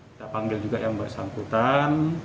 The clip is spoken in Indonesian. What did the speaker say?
kita panggil juga yang bersangkutan